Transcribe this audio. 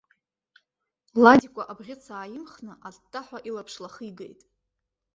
Ладикәа абӷьыц ааимхны аттаҳәа илаԥш лахигеит.